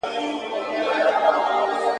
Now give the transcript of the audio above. وېروې مي له پېچومو لا دي نه یم پېژندلی !.